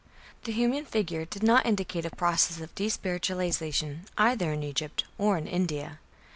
" The human figure did not indicate a process of "despiritualization" either in Egypt or in India.